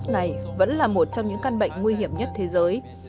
này vẫn là một trong những căn bệnh nguy hiểm nhất thế giới